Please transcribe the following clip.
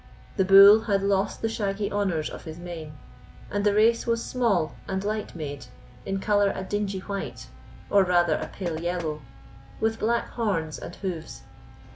The bull had lost the shaggy honours of his mane, and the race was small and light made, in colour a dingy white, or rather a pale yellow, with black horns and hoofs.